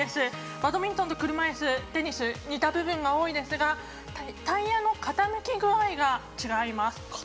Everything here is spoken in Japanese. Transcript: バドミントンと車いすテニス似た部分がありますがタイヤの傾き具合が違います。